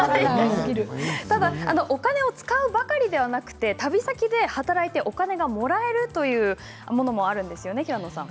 ただお金を使う旅ではなくて旅先で働いてお金がもらえるというものもあるんですよね。